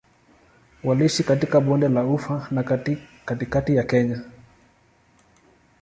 Waliishi katika Bonde la Ufa na katikati ya Kenya.